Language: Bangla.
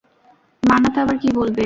মানাত আবার কি বলবে?